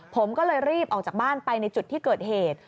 ผมก็เลยรีบออกจากบ้านไปในจุดที่เกิดเหตุ